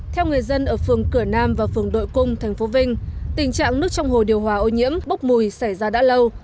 theo người dân ở phường cửa nam và phường đội cung tp vinh tình trạng nước trong hồ điều hòa ô nhiễm bốc mùi xảy ra đã lâu